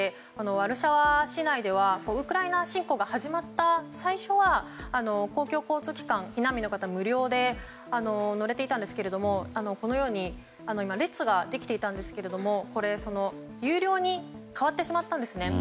ワルシャワ市内ではウクライナ侵攻が始まった最初は公共交通機関は避難民の方無料で乗れていたんですけども列ができていたんですが有料に変わってしまったんですね。